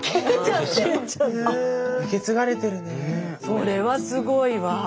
それはすごいわ。